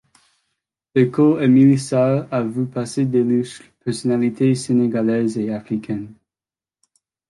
L’école Émile Sarr a vu passer d’illustres personnalités sénégalaises et africaines.